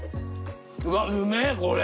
うわっうめえこれ！